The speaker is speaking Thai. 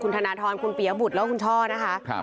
ธนทรคุณเปียบุตรแล้วก็คุณช่อนะคะ